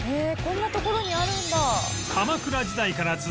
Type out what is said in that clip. こんな所にあるんだ」